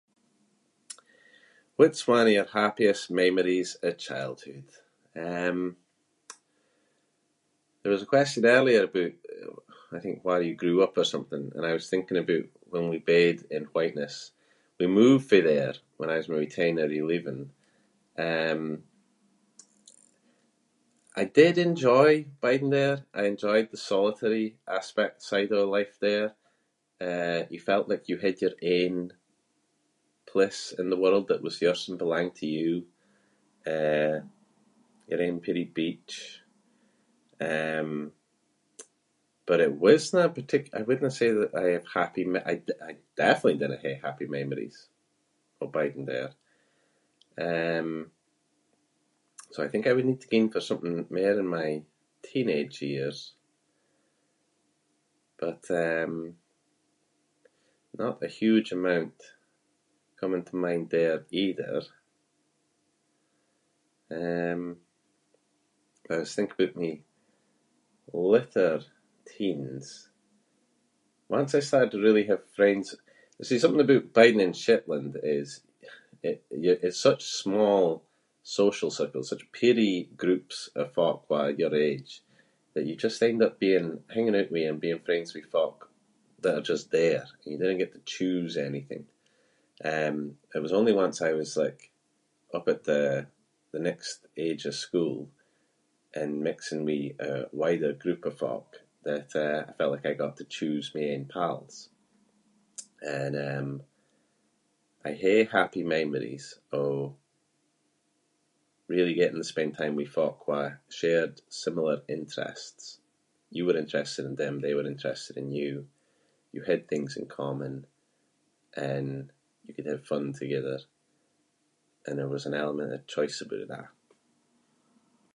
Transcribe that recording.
What’s one of your happiest memories of childhood? Um, there was a question earlier aboot, I think, where you grew up or something and I was thinking aboot when we bed in Whiteness. We moved fae there when I was maybe ten, maybe eleven. Um, I did enjoy biding there. I enjoyed the solitary aspect side of life there. Eh, you felt like you had your own place in the world, that was yours and belonged to you. Eh, your own peerie beach. Eh, but it wasnae a partic- I wouldnae say that I have happy memor- I d- I definitely dinna hae happy memories of biding there. Um, so I think that I would need to ging for something mair in my teenage years, but, um, not a huge amount coming to mind there either. Um, I was thinking aboot my later teens. Once I started to really have friends- you see something about biding in Shetland is it-you’re- it’s such small social circles, such peerie groups of folk who are your age, that you just end up being- hanging out with and being friends with folk that are just there and you dinna get to choose anything. Um, it was only once I was like up at the- the next age of school and mixing with a wider group of folk that, eh, I felt like I got to choose my own pals, and, um, I hae happy memories of really getting to spend time with folk who shared similar interests. You were interested in them, they were interested in you, you had things in common, and you could have fun together, and there was an element of choice aboot that.